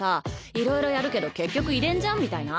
いろいろやるけど結局遺伝じゃん？みたいな。